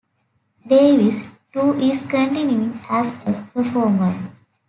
Davis, too, is continuing as a performer.